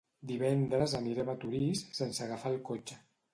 Divendres anirem a Torís sense agafar el cotxe.